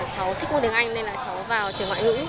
cháu thích môn tiếng anh nên là cháu vào trường ngoại ngữ